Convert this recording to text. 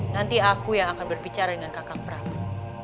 nanti aku yang akan berbicara dengan kakak pramu